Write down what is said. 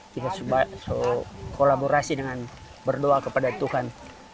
kita kolaborasi dengan berdoa kepada tuhan